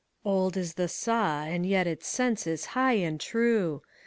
Old is the saw, and yet its sense is high and true.